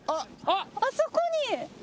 あそこに。